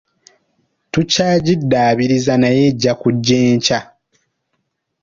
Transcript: Tukyagidabiiriza naye ejja kujja enkya.